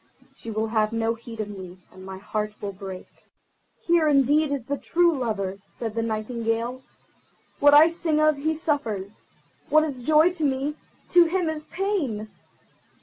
She will have no heed of me, and my heart will break." "Here indeed is the true lover," said the Nightingale. "What I sing of, he suffers—what is joy to me, to him is pain.